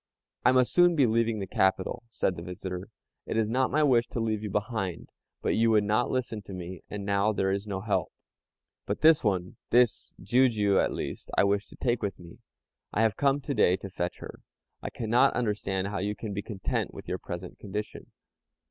"I must soon be leaving the capital," said the visitor. "It is not my wish to leave you behind, but you would not listen to me, and now there is no help. But this one, this Jijiu at least, I wish to take with me. I have come to day to fetch her. I cannot understand how you can be content with your present condition."